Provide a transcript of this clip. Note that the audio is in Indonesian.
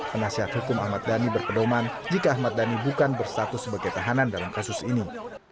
penasihat hukum ahmad dhani berpedoman jika ahmad dhani bukan bersatu sebagai tahanan dalam kasus ini